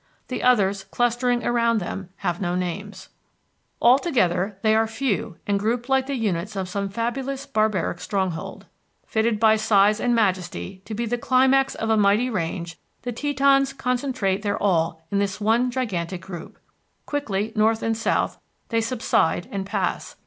The others, clustering around them, have no names. All together, they are few and grouped like the units of some fabulous barbaric stronghold. Fitted by size and majesty to be the climax of a mighty range, the Tetons concentrate their all in this one giant group. Quickly, north and south, they subside and pass.